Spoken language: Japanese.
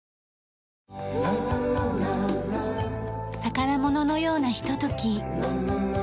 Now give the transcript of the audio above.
宝物のようなひととき。